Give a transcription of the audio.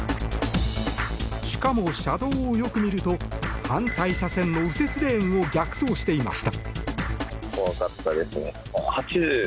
しかも、車道をよく見ると反対車線の右折レーンを逆走していました。